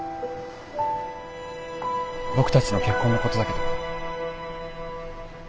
僕たちの結婚のことだけど。